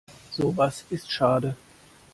Sowas ist schade.